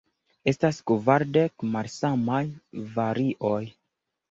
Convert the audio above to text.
Estas kvardek malsamaj varioj.